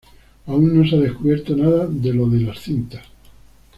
Aún no se ha descubierto nada de lo de las cintas.